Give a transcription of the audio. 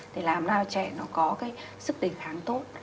để làm cho trẻ nó có cái sức đề kháng tốt